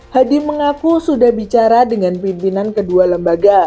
hadi mengaku sudah bicara dengan pimpinan kedua lembaga